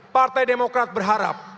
partai demokrat berharap